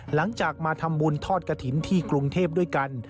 หลังจากมาทำบุญทอดกระถิ่นที่กรุงเทพด้วยกัน